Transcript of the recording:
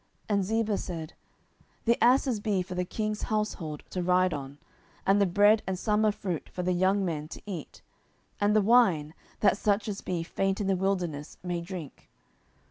And Ziba said, The asses be for the king's household to ride on; and the bread and summer fruit for the young men to eat; and the wine, that such as be faint in the wilderness may drink.